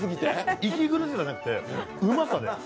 息苦しさじゃなくてうまさです。